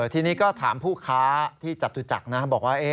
ทีนี้ก็ถามผู้ค้าที่จตุจักรนะบอกว่า